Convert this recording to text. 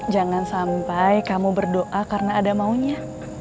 jangan sampai kamu berdoa karena ada maunya